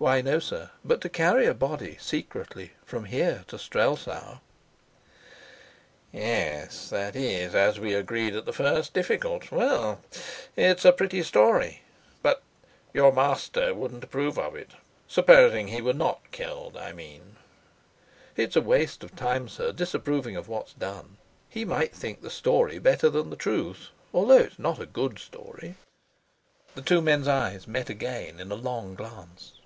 "Why, no, sir. But to carry a body secretly from here to Strelsau " "Yes, that is, as we agreed at the first, difficult. Well, it's a pretty story, but your master wouldn't approve of it. Supposing he were not killed, I mean." "It's a waste of time, sir, disapproving of what's done: he might think the story better than the truth, although it's not a good story." The two men's eyes met again in a long glance.